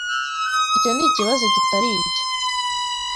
Icyo nikibazo kitari cyo.